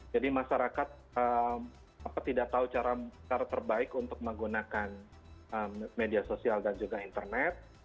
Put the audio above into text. jadi masyarakat tidak tahu cara terbaik untuk menggunakan media sosial dan juga internet